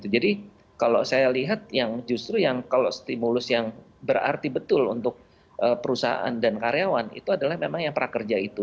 jadi kalau saya lihat yang justru yang kalau stimulus yang berarti betul untuk perusahaan dan karyawan itu adalah memang yang prakerja itu